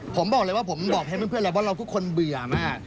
ผมบอกเลยว่าผมบอกให้เพื่อนแล้วว่าเราทุกคนเบื่อมาก